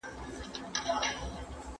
نو ډېر لېواله وي.